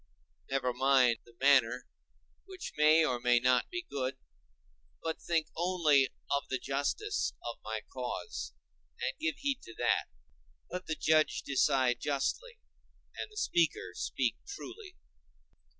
Never mind the manner, which may or may not be good; but think only of the justice of my cause, and give heed to that: let the judge decide justly and the speaker speak truly.